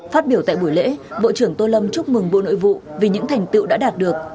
phát biểu tại buổi lễ bộ trưởng tô lâm chúc mừng bộ nội vụ vì những thành tựu đã đạt được